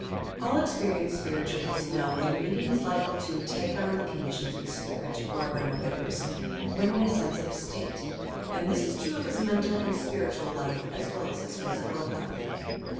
All experienced spirit ualists know that a medium is liable to "take on" the conditions of a spirit or of another person, when in a sensitive state, and this is true of his mental and spiritual life as well as his physical health.